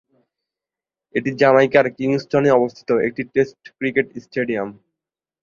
এটি জ্যামাইকার কিংস্টনে অবস্থিত একটি টেস্ট ক্রিকেট স্টেডিয়াম।